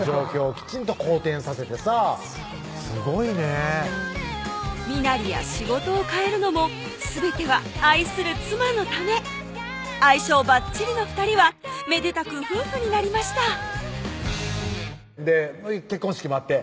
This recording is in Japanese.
きちんと好転させてさすごいね身なりや仕事を変えるのもすべては愛する妻のため相性ばっちりの２人はめでたく夫婦になりました結婚式もあって？